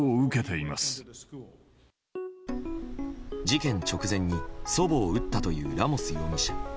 事件直前に祖母を撃ったというラモス容疑者。